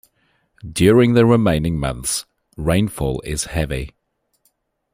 During the remaining months, rainfall is heavy.